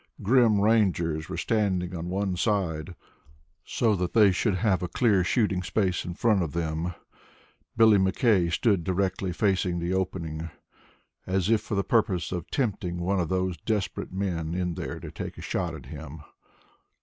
Grim Rangers were standing on one side so that they should have a clear shooting space in front of them. Billy McKay stood directly facing the opening, as if for the purpose of tempting one of those desperate men in there to take a shot at him.